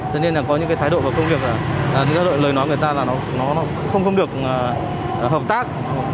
cho nên là có những cái thái độ và công việc thì lời nói người ta là nó không được hợp tác